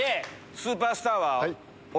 スーパースター